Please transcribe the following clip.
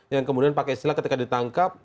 yang kemudian pakai istilah ketika ditangkap